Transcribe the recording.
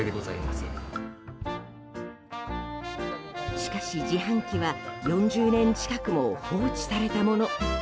しかし、自販機は４０年近くも放置されたもの。